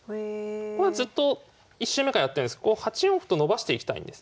これはずっと１週目からやってるんですが８四歩と伸ばしていきたいんですね